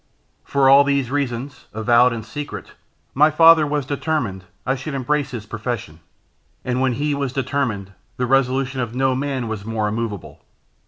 For all these reasons, avowed and secret, my father was determined I should embrace his profession; and when he was determined, the resolution of no man was more immovable.